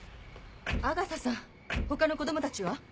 阿笠さん他の子供たちは？